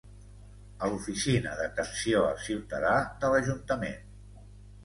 A l'Oficina d'Atenció al Ciutadà de l'Ajuntament.